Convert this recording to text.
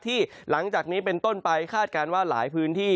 หลังจากนี้เป็นต้นไปคาดการณ์ว่าหลายพื้นที่